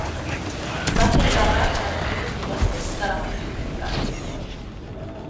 Va ser enterrat a l'església d'Iyasus de la mateixa ciutat.